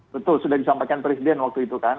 betul sudah disampaikan presiden waktu itu kan